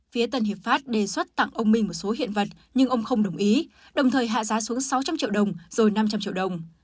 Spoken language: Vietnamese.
phía tân hiệp pháp đề xuất tặng ông minh một số hiện vật nhưng ông không đồng ý đồng thời hạ giá xuống sáu trăm linh triệu đồng rồi năm trăm linh triệu đồng